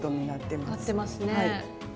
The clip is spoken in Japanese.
なってますね。